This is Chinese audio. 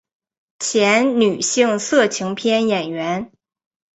前女性色情片演员。